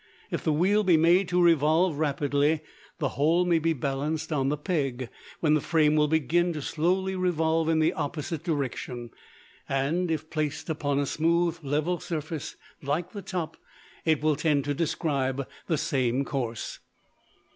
If the wheel be made to revolve rapidly, the whole may be balanced on the peg: when the frame will begin to slowly revolve in the opposite direction: and if placed upon a smooth level surface, like the top it will tend to describe the same course.